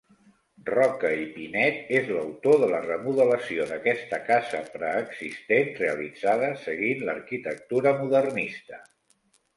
Roca i Pinet és l'autor de la remodelació d'aquesta casa preexistent, realitzada seguint l'arquitectura modernista.